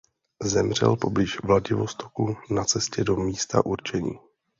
Zemřel poblíž Vladivostoku na cestě do místa určení.